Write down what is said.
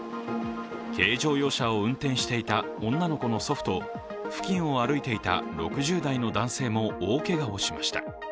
軽乗用車を運転していた女の子の祖父と付近を歩いていた６０代の男性も大けがをしました。